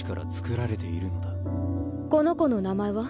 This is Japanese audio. この子の名前は？